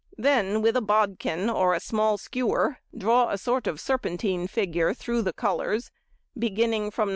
Then with a bodkin or a small skewer draw a sort of a serpentine figure through the colours, beginning from No.